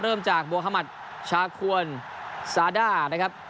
เริ่มจากโมฮามัติชาควรซาด้านะครับ